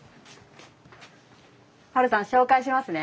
ハルさん紹介しますね。